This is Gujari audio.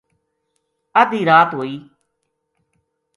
ادھی رات ہوئی